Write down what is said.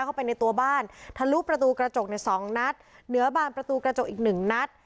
เข้าไปในตัวบ้านทะลุประตูกระจกในสองนัดเหนือบานประตูกระจกอีกหนึ่งนัด